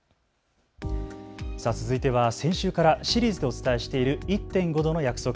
続いては先週からシリーズでお伝えしている１．５℃の約束